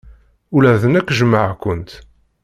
Ula d nekk jjmeɣ-kent.